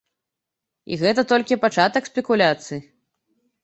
І гэта толькі пачатак спекуляцый.